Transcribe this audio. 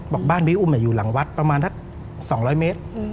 บ้านพี่อุ้มอยู่หลังวัดประมาณสัก๒๐๐เมตร